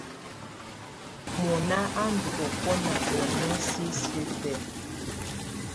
Mɔna á ndù ɔkɔna ɔ ɔnɛ̀á sisiǝ́ tɛ̀á.